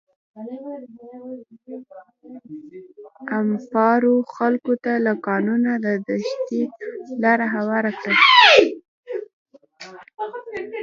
امپارو خلکو ته له قانونه د تېښتې لاره هواره کړه.